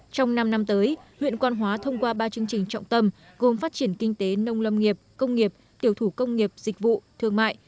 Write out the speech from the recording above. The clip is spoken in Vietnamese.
trong năm năm tới huyện quan hóa thông qua ba chương trình trọng tâm gồm phát triển kinh tế nông lâm nghiệp công nghiệp tiểu thủ công nghiệp dịch vụ thương mại